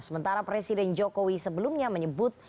sementara presiden jokowi sebelumnya menyebut